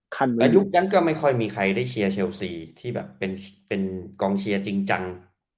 อายุนั้นก็ไม่ค่อยมีใครได้เชียร์เชลซีที่แบบเป็นกองเชียร์จริงจัง